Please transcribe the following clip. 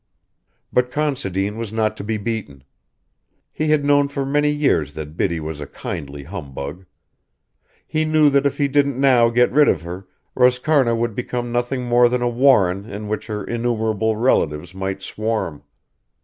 But Considine was not to be beaten. He had known for many years that Biddy was a kindly humbug. He knew that if he didn't now get rid of her Roscarna would become nothing more than a warren in which her innumerable relatives might swarm.